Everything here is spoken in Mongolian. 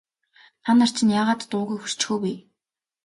Та нар чинь яагаад дуугүй хөшчихөө вэ?